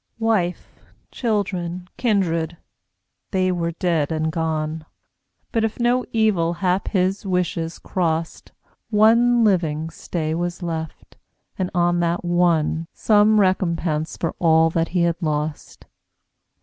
Wife, children, kindred, they were dead and gone; But, if no evil hap his wishes crossed, One living Stay was left, and on that one Some recompence for all that he had lost.